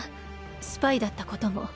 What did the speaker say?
スパイだったことも。